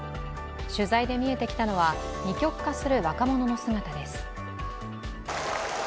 取材で見えてきたのは、二極化する若者の姿です。